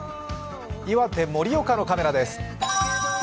岩手・盛岡のカメラです。